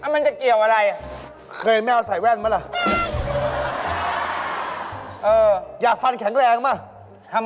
มันจะเกี่ยวอะไรเคยไม่เอาใส่แว่นไหมล่ะ